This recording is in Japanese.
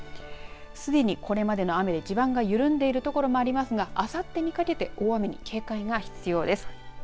すでにこれまでの雨で地盤が緩んでいる所もありますがあさってにかけては大雨に警戒が必要です。